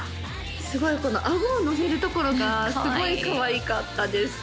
すごいこのあごを乗せるところがすごいかわいかったです